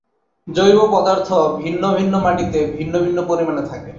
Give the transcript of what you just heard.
জৈব পদার্থ ভিন্ন ভিন্ন মাটিতে ভিন্ন ভিন্ন পরিমাণে থাকে।